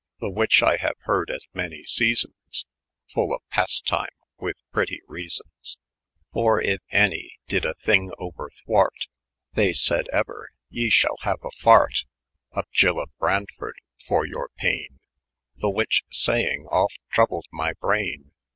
The which I haue hard at many sea^na Foil of pastyme', with prety reasons ; For yf any dyd a thyng ouerthwart. They sayd ener, " ye shall haue a fart Of Jyll of Branford for yonr payne I" The which sayng oft troabled my brayn.